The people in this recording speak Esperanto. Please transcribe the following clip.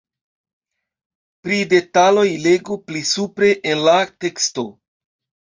Pri detaloj legu pli supre en la teksto.